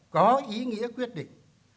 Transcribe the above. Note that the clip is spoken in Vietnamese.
có ý nghĩa quyết định